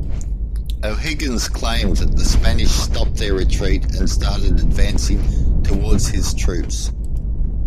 O'Higgins claimed that the Spanish stopped their retreat and started advancing towards his troops.